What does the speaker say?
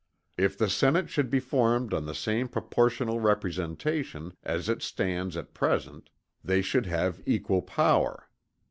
If the Senate should be formed on the same proportional representation, as it stands at present, they should have equal power.